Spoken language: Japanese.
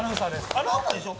アナウンサーでしょ。